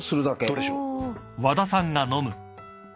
どうでしょう？